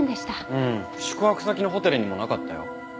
うん宿泊先のホテルにもなかったよ。